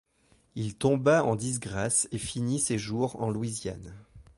Il tomba en disgrâce et finit ses jours en Louisiane.